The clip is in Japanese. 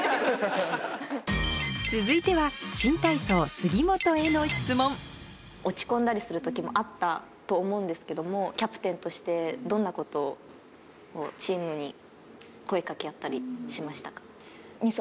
続いては新体操杉本への質問と思うんですけどもキャプテンとしてどんなことをチームに声掛け合ったりしましたか？